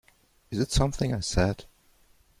Is it something I said?